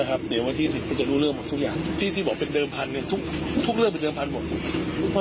พวกเศรษฐกรทั้ง๓๐๔๐ล้านคน